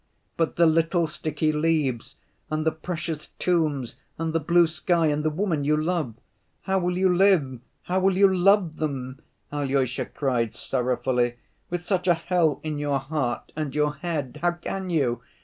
"But the little sticky leaves, and the precious tombs, and the blue sky, and the woman you love! How will you live, how will you love them?" Alyosha cried sorrowfully. "With such a hell in your heart and your head, how can you?